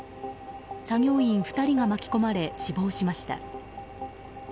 作業員２人が巻き込まれ死亡しました。